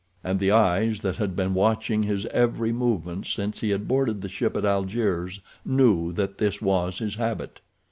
And the eyes that had been watching his every movement since he had boarded the ship at Algiers knew that this was his habit.